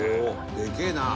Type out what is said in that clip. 「でけえな」